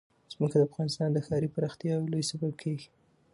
ځمکه د افغانستان د ښاري پراختیا یو لوی سبب کېږي.